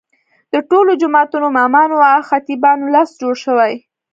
د ټولو جوماتونو امامانو او خطیبانو لست جوړ شي.